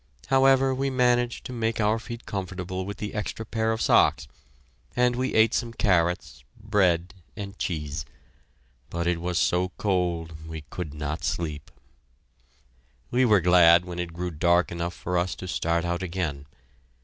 However, we managed to make our feet comfortable with the extra pair of socks, and we ate some carrots, bread, and cheese. But it was so cold, we could not sleep. We were glad when it grew dark enough for us to start out again.